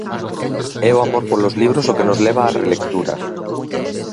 É o amor polos libros o que nos leva á relectura.